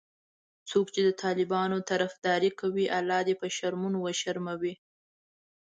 څوک چې د طالبانو طرفداري کوي الله دي په شرمونو وشرموي